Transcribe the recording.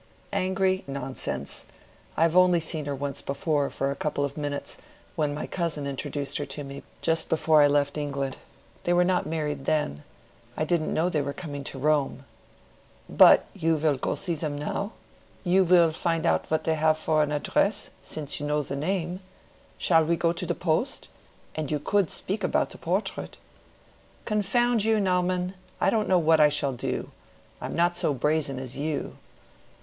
"Angry? nonsense. I have only seen her once before, for a couple of minutes, when my cousin introduced her to me, just before I left England. They were not married then. I didn't know they were coming to Rome." "But you will go to see them now—you will find out what they have for an address—since you know the name. Shall we go to the post? And you could speak about the portrait." "Confound you, Naumann! I don't know what I shall do. I am not so brazen as you."